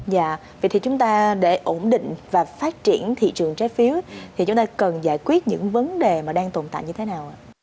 dạ vậy thì chúng ta để ổn định và phát triển thị trường trái phiếu thì chúng ta cần giải quyết những vấn đề mà đang tồn tại như thế nào ạ